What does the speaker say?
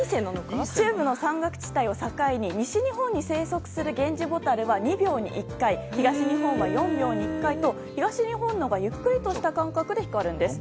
西部の山岳地帯を境に西日本に生息するゲンジボタルは２秒に１回東日本は４秒に１回と東日本のほうがゆっくりとした間隔で光るんです。